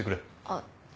あっ。